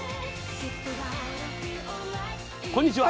こんにちは。